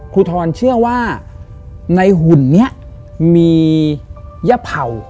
ทรเชื่อว่าในหุ่นนี้มียะเผ่า